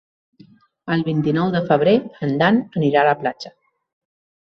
El vint-i-nou de febrer en Dan anirà a la platja.